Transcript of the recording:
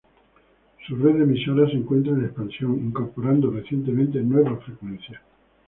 Su red de emisoras se encuentra en expansión, incorporando recientemente nuevas frecuencias.